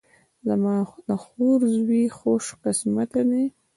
زما د خور زوی خوش قسمته ده